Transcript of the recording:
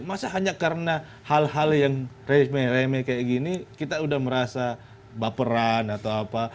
masa hanya karena hal hal yang remeh remeh kayak gini kita udah merasa baperan atau apa